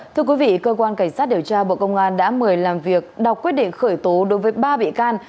thưa quý vị cơ quan cảnh sát điều tra bộ công an đã mời làm việc đọc quyết định khởi tố đối với ba bị can